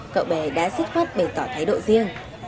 cậu bé đã dứt vắt bày tỏ thái độ riêng